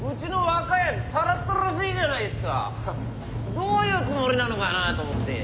どういうつもりなのかなと思って。